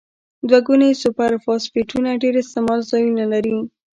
دوه ګونې سوپر فاسفیټونه ډیر استعمال ځایونه لري.